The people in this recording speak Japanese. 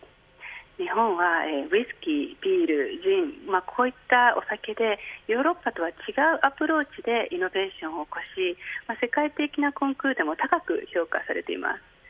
日本はウイスキービール、ジン、こういったお酒でヨーロッパとは違うアプローチでイノベーションを起こし世界的なコンクールでも高く評価されています。